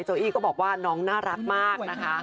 อี้ก็บอกว่าน้องน่ารักมากนะคะ